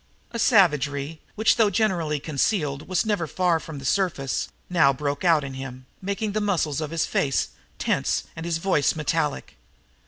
A savagery which, though generally concealed, was never far from the surface, now broke out in him, making the muscles of his face tense and his voice metallic.